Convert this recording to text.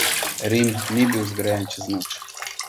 Rim ni bil zgrajen čez noč.